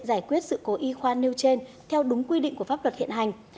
giải quyết sự cố y khoa nêu trên theo đúng quy định của pháp luật hiện hành